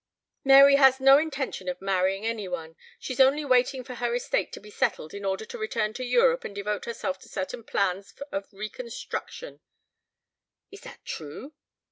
"Mary has no intention of marrying any one. She's only waiting for her estate to be settled in order to return to Europe and devote herself to certain plans of reconstruction " "Is that true?"